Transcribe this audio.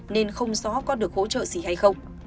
nên không rõ có được hỗ trợ gì hay không